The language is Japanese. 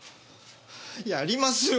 やりますよ。